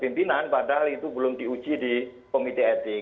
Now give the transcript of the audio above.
pimpinan padahal itu belum diuji di komite etik